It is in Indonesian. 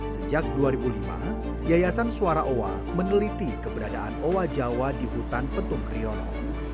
sejak dua ribu lima yayasan suara owa meneliti keberadaan owa jawa di hutan petung kriono